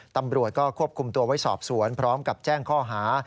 ตำรวจก็ควบคุมตัวไว้สอบสวนพร้อมกับแจ้งข้อหา